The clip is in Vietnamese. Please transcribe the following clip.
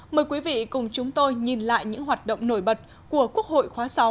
mời quý vị cùng chúng tôi nhìn lại những hoạt động nổi bật của quốc hội khóa sáu